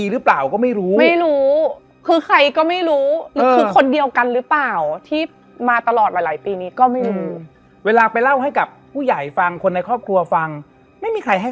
เราแค่รู้สึกว่าเหนื่อยเราเหนื่อยเราก้มหน้าไม่ได้